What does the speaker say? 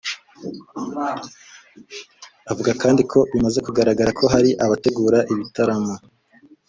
Avuga kandi ko bimaze kugaragara ko hari abategura ibitaramo